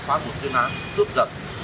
bắt giữ chính đối tượng